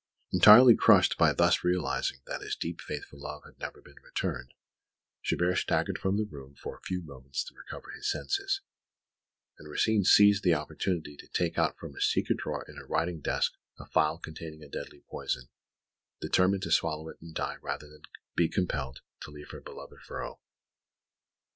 Entirely crushed by thus realising that his deep faithful love had never been returned, Chabert staggered from the room for a few moments to recover his senses; and Rosine seized the opportunity to take out from a secret drawer in her writing desk a phial containing a deadly poison, determining to swallow it and die rather than be compelled to leave her beloved Ferraud.